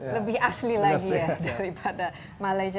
lebih asli lagi ya daripada malaysia